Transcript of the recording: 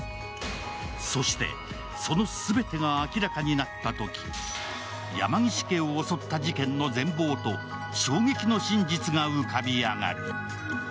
そして、その全てが明らかになったとき、山岸家を襲った事件の全貌と衝撃の真実が浮かび上がる。